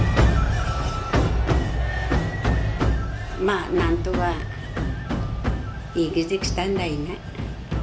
まあ何とか生きてきたんだよね。